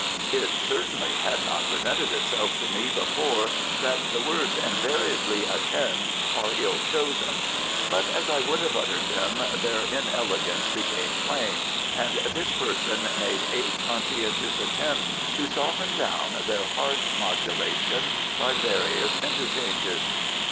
It certainly had not presented itself to me before that the words "invariably attend" are ill chosen, but as I would have uttered them their inelegance became plain, and this person made eight conscientious attempts to soften down their harsh modulation by various interchanges.